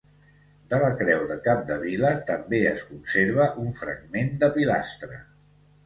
De la creu de Capdevila també es conserva un fragment de pilastra.